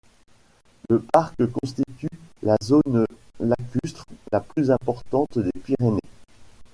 Le parc constitue la zone lacustre la plus importante des Pyrénées.